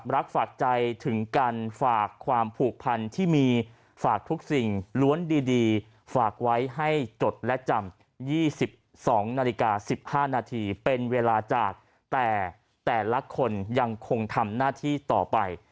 ฝากใจถึงการฝากความผูกพันที่มีฝากทุกสิ่งล้วนดีฝากไว้ให้จดและจำ๒๒นาฬิกา๑๕นาทีเป็นเวลาจากแต่แต่ละคนยังคงทำหน้าที่ต่อไป